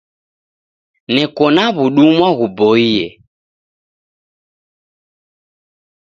Neko na w'udumwa ghuboie.